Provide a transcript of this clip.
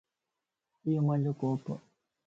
ايو مانجو ڪوپ